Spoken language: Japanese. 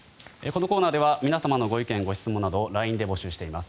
このコーナーでは皆様のご意見・ご質問をＬＩＮＥで募集しています。